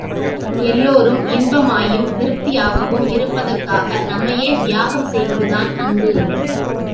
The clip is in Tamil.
எல்லோரும் இன்பமாயும் திருப்தியாகவும் இருப்பதற்காக நம்மையே தியாகம் செய்வதுதான் அன்பு.